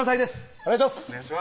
お願いします